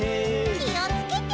きをつけて。